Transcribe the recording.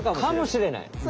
かもしれない。